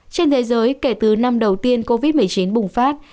trên thế giới kể từ năm đầu tiên covid một mươi chín bùng phát